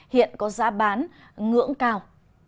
hiện có giá bán ngưỡng cao